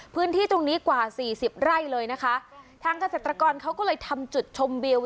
พื้นที่ตรงนี้กว่าสี่สิบไร่เลยนะคะทางเกษตรกรเขาก็เลยทำจุดชมวิว